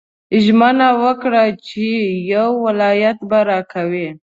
ژمنه وکړه چې یو ولایت به راکوې.